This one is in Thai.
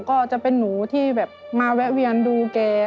ก็จะเป็นหนูที่แบบมาแวะเวียนดูแก